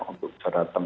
untuk bisa datang